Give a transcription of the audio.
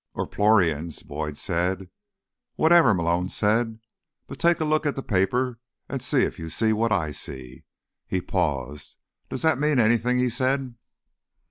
"Or Ploorians," Boyd said. "Whatever," Malone said. "But take a look at the paper and see if you see what I see." He paused. "Does that mean anything?" he said.